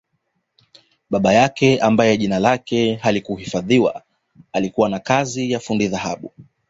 Baba yake ambaye jina lake halikuhifadhiwa alikuwa na kazi ya fundi dhahabu